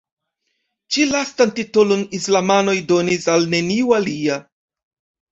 Ĉi-lastan titolon islamanoj donis al neniu alia.